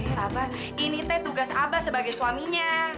eh abah ini tugas abah sebagai suaminya